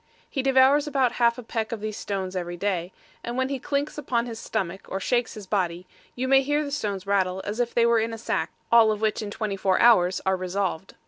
He devours about half a peck of these stones every day, and when he clinks upon his stomach, or shakes his body, you may hear the stones rattle as if they were in a sack, all of which in twenty four hours are resolved.